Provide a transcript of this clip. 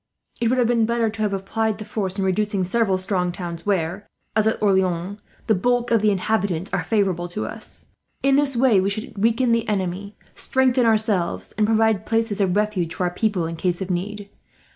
It would have been better to have applied the force in reducing several strong towns where, as at Orleans, the bulk of the inhabitants are favourable to us. In this way we should weaken the enemy, strengthen ourselves, and provide places of refuge for our people in case of need.